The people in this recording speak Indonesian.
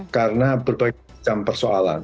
karena berbagai macam persoalan